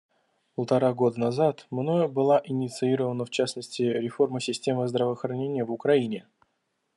Полтора года назад мною была инициирована, в частности, реформа системы здравоохранения в Украине.